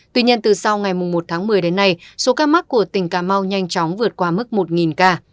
tuy nhiên từ sau ngày một tháng một mươi đến nay số ca mắc của tỉnh cà mau nhanh chóng vượt qua mức một ca